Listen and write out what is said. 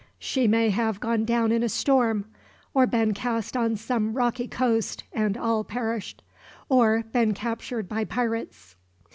She may have gone down in a storm, or been cast on some rocky coast and all perished, or been captured by pirates.